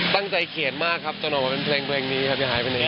ตั้งใจเขียนมากครับตอนออกมาเป็นเพลงนี้ครับยังหายไปให้คู่